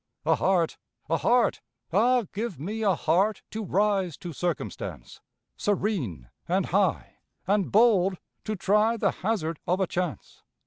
A heart! A heart! Ah, give me a heart, To rise to circumstance! Serene and high, and bold to try The hazard of a chance.